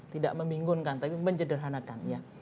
tidak membingungkan tapi menyederhanakan